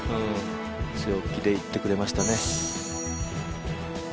強気でいってくれましたね。